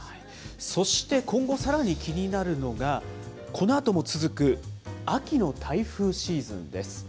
そして今後さらに気になるのが、このあとも続く秋の台風シーズンです。